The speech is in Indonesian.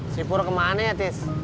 sipur kemana ya tis